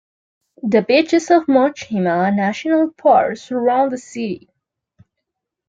The beaches of Mochima National Park surround the city.